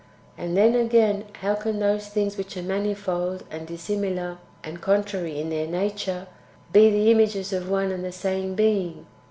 And then, again, how can those things which are manifold, and dissimilar, and contrary in their nature, be the images of one and the same Being